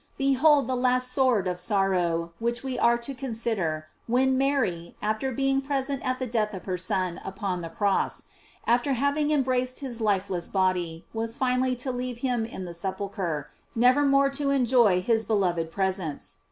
Behold, 586 GLORIES OF MARY. the last sword of sorrow which we are to consicU er, when Mary, after being present at the death of her Son upon the cross, after having embrao ed his lifeless body, was finally to leave him in the sepulchre, never more to enjoy his beloved presence.